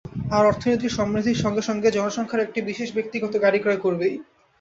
আর অর্থনীতির সমৃদ্ধির সঙ্গে সঙ্গে জনসংখ্যার একটি অংশ ব্যক্তিগত গাড়ি ক্রয় করবেই।